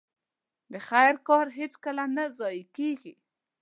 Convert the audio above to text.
د خير کار هيڅکله نه ضايع کېږي.